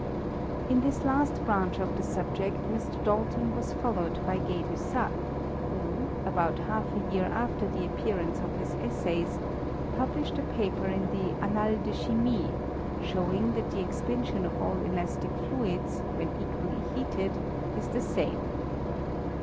In this last branch of the sub ject Mr. Dalton was followed by Gay Lussac, who, about half a year after the appearance of his Essays, published a paper in the Annales de Chimie, show ing that the expansion of all elastic fluids, when equally heated, is the same.